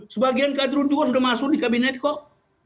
sebagian kader juga sudah masuk di kabinet kok